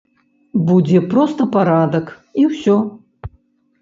Будзе проста парадак, і ўсё.